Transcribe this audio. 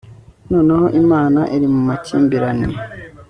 Noneho Imana iri mu makimbirane